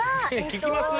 聞きます？